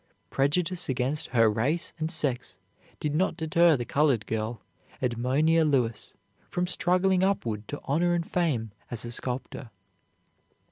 Prejudice against her race and sex did not deter the colored girl, Edmonia Lewis, from struggling upward to honor and fame as a sculptor.